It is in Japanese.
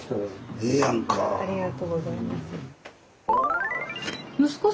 ありがとうございます。